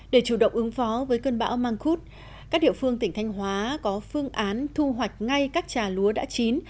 để chủ động ứng phó với cơn bão mang khúc các địa phương tỉnh thanh hóa có phương án thu hoạch ngay các trà lúa đã chín